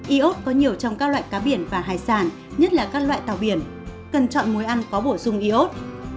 iod có nhiều trong các loại cá biển và hải sản nhất là các loại tàu biển cần chọn mối ăn có bổ sung iod